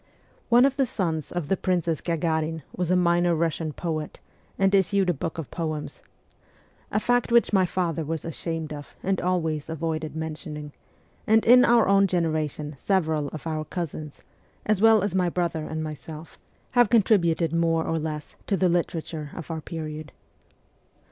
One of the sons of the Princess Gagarin was a minor Russian poet, and issued a book of poems a fact which my father was ashamed of and always avoided mentioning ; and in our own generation several of our cousins, as well as my brother and myself, have contributed more or less to the literature of our period.